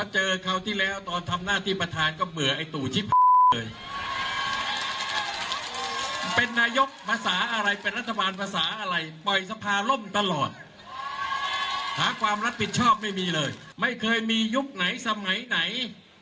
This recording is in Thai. คราวที่แล้วตอนทำหน้าที่ประธานก็เบื่อไอ้ตู่ชิบเลยเป็นนายกภาษาอะไรเป็นรัฐบาลภาษาอะไรปล่อยสภาล่มตลอดหาความรับผิดชอบไม่มีเลยไม่เคยมียุคไหนสมัยไหน